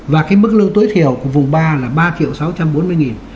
và cái mức lương tối thiểu của vùng ba là ba sáu trăm bốn mươi đồng